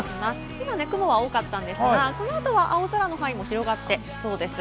今、雲は多かったんですが、この後は青空の範囲も広がってきそうです。